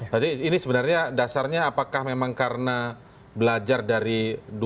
jadi ini sebenarnya dasarnya apakah memang karena belajar dari dua ribu tujuh belas pilkada dki